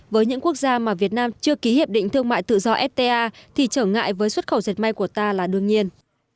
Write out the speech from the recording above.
với những quốc gia mà việt nam chưa ký hiệp định thương mại tự do fta thì trở ngại với xuất khẩu dệt may của ta là đương nhiên